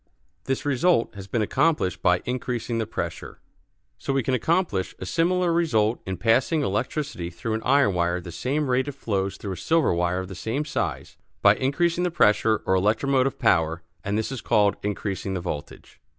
This result has been accomplished by increasing the pressure. So, we can accomplish a similar result in passing electricity through an iron wire at the same rate it flows through a silver wire of the same size, by increasing the pressure, or electromotive power; and this is called increasing the voltage.